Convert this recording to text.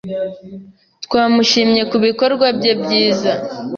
Twamushimye kubikorwa bye byiza.